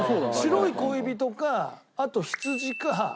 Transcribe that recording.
白い恋人かあと羊か。